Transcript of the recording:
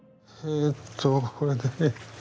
えっとこれで。